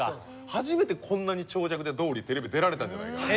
初めてこんなに長尺でドーリーテレビ出られたんじゃないかと。